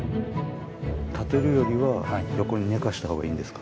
立てるよりは横に寝かしたほうがいいんですか？